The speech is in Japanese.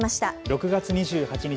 ６月２８日